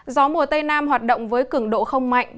gió mùa tây nam hoạt động với cường độ không mạnh